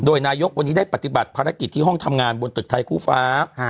โดยนายกวันนี้ได้ปฏิบัติภารกิจที่ห้องทำงานบนตึกไทยคู่ฟ้า